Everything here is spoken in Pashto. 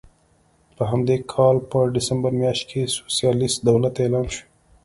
په همدې کال په ډسمبر میاشت کې سوسیالېست دولت اعلان شو.